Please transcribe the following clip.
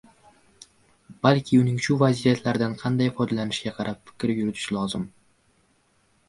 balki uning shu fazilatlaridan qanday foydalanishiga qarab fikr yuritish lozim.